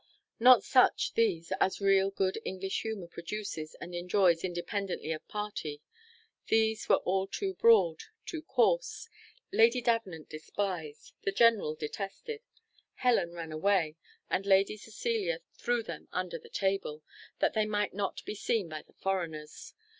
Not such, these, as real good English humour produces and enjoys, independently of party these were all too broad, too coarse. Lady Davenant despised, the general detested. Helen turned away, and Lady Cecilia threw them under the table, that they might not be seen by the foreigners.